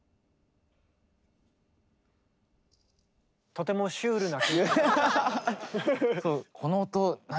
とてもシュールな。